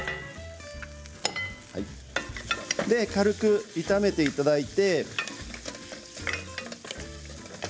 軽く炒めていただいて。